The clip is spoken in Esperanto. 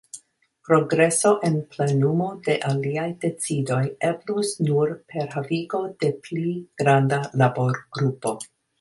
Progreso en plenumo de aliaj decidoj eblus nur per havigo de pli granda laborgrupo.